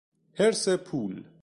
حرص پول